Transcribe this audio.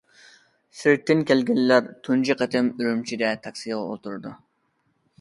سىرتتىن كەلگەنلەر تۇنجى قېتىم ئۈرۈمچىدە تاكسىغا ئولتۇرىدۇ.